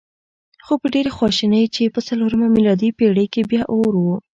خو په ډېرې خواشینۍ چې په څلورمه میلادي پېړۍ کې بیا اور و.